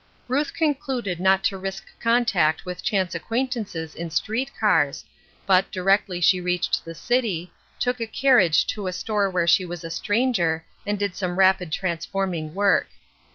Ruth concluded not to risk contact with chance acquaintances in street cars ; but, directl}' she reached the city, took a carriage to a stor« where she was a stranger, and did some rapid transforming work.